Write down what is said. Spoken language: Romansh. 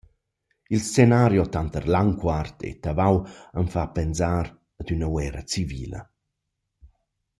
Il scenario tanter Landquart e Tavo am fa pensar ad üna guerra civila.